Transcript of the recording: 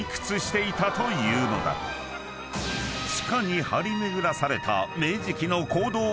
［地下に張り巡らされた明治期の］